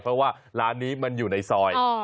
เพราะว่าร้านนี้มันอยู่ในซอย